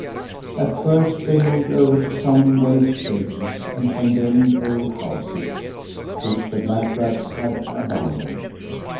At first they moved over to some waste places and condemned old houses which the black rats had abandoned.